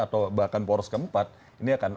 atau bahkan poros keempat ini akan